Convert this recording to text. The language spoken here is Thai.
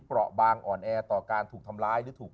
เปราะบางอ่อนแอต่อการถูกทำร้าย